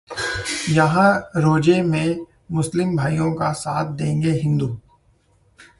यहां रोजे में मुस्लिम भाइयों का साथ देंगे हिंदू